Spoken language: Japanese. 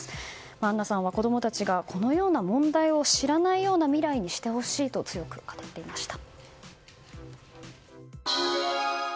アンナさんは子供たちがこのような問題を知らないような未来にしてほしいと強く語っていました。